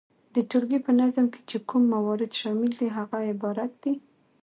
د ټولګي په نظم کي چي کوم موارد شامل دي هغه عبارت دي،